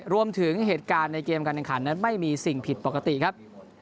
รวมถึงเหตุการณ์ในเกมการแข่งขันนั้นไม่มีสิ่งผิดปกติครับ